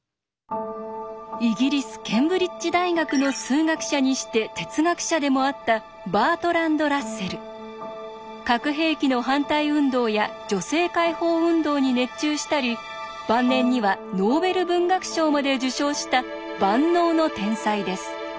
イギリスケンブリッジ大学の数学者にして哲学者でもあった核兵器の反対運動や女性解放運動に熱中したり晩年にはノーベル文学賞まで受賞した万能の天才です。